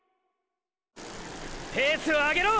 ペースを上げろ！！